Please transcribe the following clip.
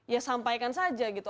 ya sampaikan saja gitu